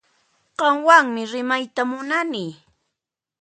Qanwanmi rimayta munani